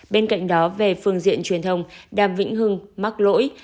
bên cạnh đó về phương diện truyền thông đàm vĩnh hưng mắc lỗi